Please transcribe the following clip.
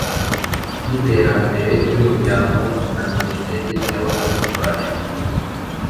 n Iterambere ry umuryango na Minisiteri y abakozi ba Leta